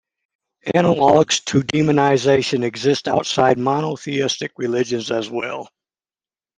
Analogs to demonization exist outside monotheistic religions, as well.